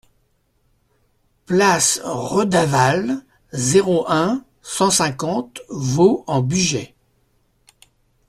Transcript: Place Redavalle, zéro un, cent cinquante Vaux-en-Bugey